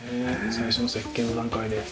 最初の設計の段階で。